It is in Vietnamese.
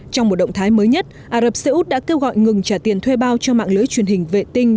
trong một động thái mới nhất ả rập xê út đã kêu gọi ngừng trả tiền thuê bao cho mạng lưới truyền hình vệ tinh